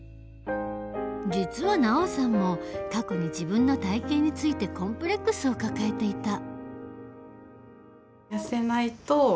実はＮＡＯさんも過去に自分の体型についてコンプレックスを抱えていた。